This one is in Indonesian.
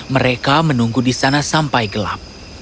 mereka menunggu di sana sampai gelap